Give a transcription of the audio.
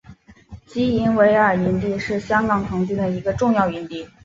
基维尔营地是香港童军一个重要的营地。